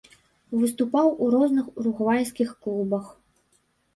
Выступаў у розных уругвайскіх клубах.